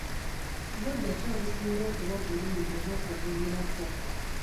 Budde ki obusinga okuba obulungi obw'okuvubirako?